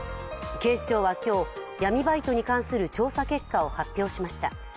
警視庁は今日闇バイトに関する調査結果を発表しました。